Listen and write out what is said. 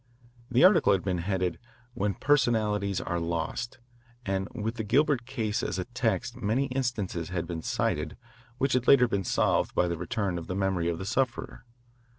The article had been headed, "When Personalities Are Lost," and with the Gilbert case as a text many instances had been cited which had later been solved by the return of the memory of the sufferer.